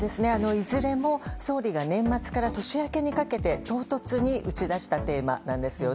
いずれも総理が年末から年明けにかけて唐突に打ち出したテーマなんですよね。